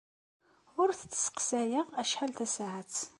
Ur tent-sseqsayeɣ acḥal tasaɛet.